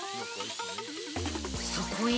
そこへ◆